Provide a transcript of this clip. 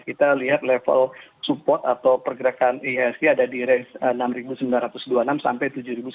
kita lihat level support atau pergerakan ihsg ada di range enam sembilan ratus dua puluh enam sampai tujuh sembilan ratus